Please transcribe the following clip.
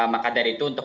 maka dari itu untuk